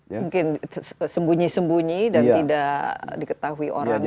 mungkin sembunyi sembunyi dan tidak diketahui orang banyak